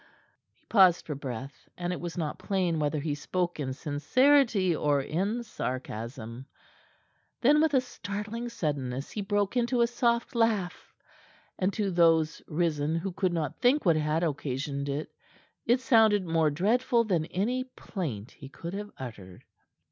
He paused for breath, and it was not plain whether he spoke in sincerity or in sarcasm. Then with a startling suddenness he broke into a soft laugh and to those risen, who could not think what had occasioned it, it sounded more dreadful than any plaint he could have uttered.